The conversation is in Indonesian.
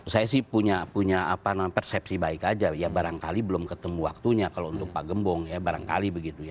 saya sih punya persepsi baik aja ya barangkali belum ketemu waktunya kalau untuk pak gembong ya barangkali begitu ya